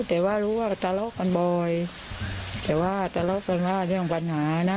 แต่ว่ารู้ว่าทะเลาะกันบ่อยแต่ว่าทะเลาะกันว่าเรื่องปัญหานะ